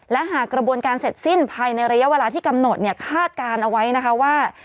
และหากกระบวนการเสร็จสิ้นภายในระยะเวลาที่กำหนดเนี่ยคาดการณ์เอาไว้นะคะว่า